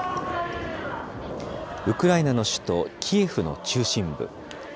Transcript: ウクライナの首都キエフの中心部。